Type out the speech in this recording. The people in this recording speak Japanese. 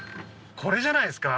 これじゃないですか